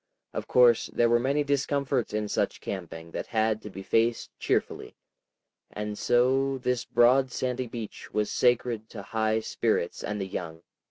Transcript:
Of course there were many discomforts in such camping that had to be faced cheerfully, and so this broad sandy beach was sacred to high spirits and the young.